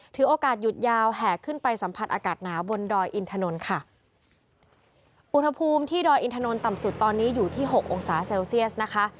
ถือโอกาสหยุดยาวแห่ขึ้นไปสัมผัสอากาศหนาวบนดอยอินถนนค่ะอุณหภูมิที่ดอยอินทนนต่ำสุดตอนนี้อยู่ที่หกองศาเซลเซียสนะคะ